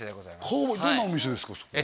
どんなお店ですか？